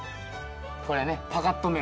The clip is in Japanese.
これね。